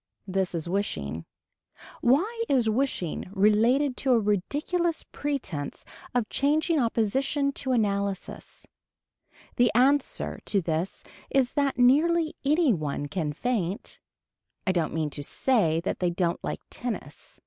This is wishing. Why is wishing related to a ridiculous pretence of changing opposition to analysis. The answer to this is that nearly any one can faint. I don't mean to say that they don't like tennis.